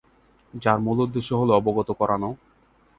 যার মূল উদ্দেশ্য হল অবগত করানো।